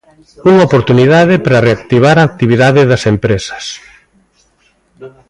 Unha oportunidade para reactivar a actividade das empresas.